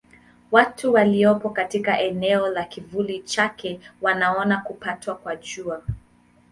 Watu waliopo katika eneo la kivuli chake wanaona kupatwa kwa Jua.